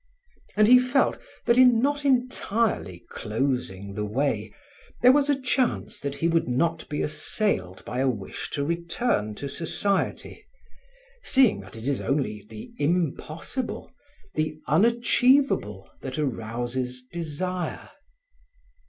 And he felt that in not entirely closing the way, there was a chance that he would not be assailed by a wish to return to society, seeing that it is only the impossible, the unachievable that arouses desire.